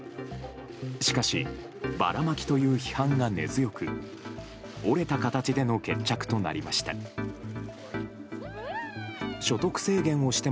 しかし、ばらまきという批判が根強く折れた形での決着となりました。